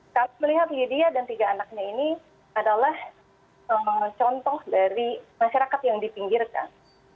kami melihat lydia dan tiga anaknya ini adalah contoh dari masyarakat yang dipinggirkan